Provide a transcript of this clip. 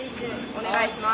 お願いします。